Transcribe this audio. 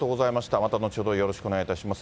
また後ほどよろしくお願いいたします。